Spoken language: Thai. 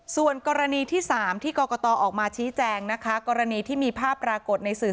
ส่วนกรณีที่๓ที่กรกตออกมาชี้แจงนะคะกรณีที่มีภาพปรากฏในสื่อ